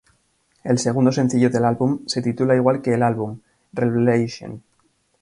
El segundo sencillo del álbum se titula igual que el álbum: "Revelation".